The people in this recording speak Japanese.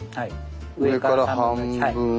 上から半分。